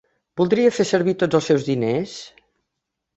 Voldria fer servir tots els seus diners?